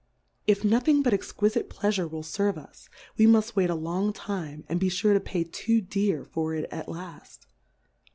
If nothing but ex quifite Pleafure will ferve us, we muft wait a long time, and be fure to pay too dear for it at laft.